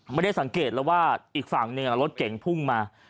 ไม่ได้สังเกตแล้วว่าอีกฝั่งหนึ่งรถเก่งพุ่งมา